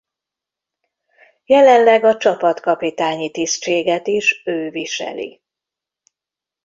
Jelenleg a csapatkapitányi tisztséget is ő viseli.